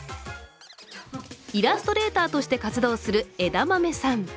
イラストレーターとして活動するえだまめさん。